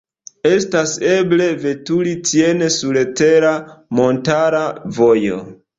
Estas eble veturi tien sur tera montara vojo.